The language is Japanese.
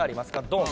ドン！